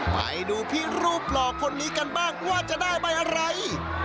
ไปดูพี่รูปหลอกคนนี้กันบ้างว่าจะได้ใบอะไร